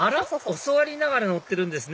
教わりながら乗ってるんですね